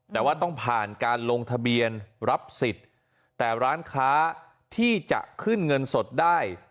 แต่ว่าต้องผ่านการลงทะเบียนรับสิทธิ์แต่ร้านค้าที่จะขึ้นเงินสดได้